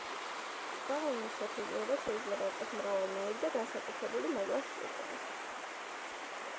ბალნის შეფერილობა შეიძლება იყოს მრავალნაირი და განსაკუთრებული მოვლა სჭირდება.